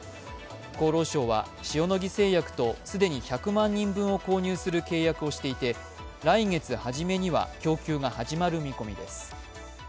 厚労省は塩野義製薬と既に１００万人分を購入する契約をしていて来月初めには供給が始まる見込みです。